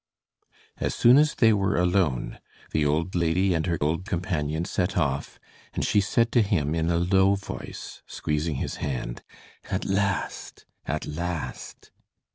As soon as they were alone, the old lady and her old companion set off, and she said to him in a low voice, squeezing his hand: "At last! at last!"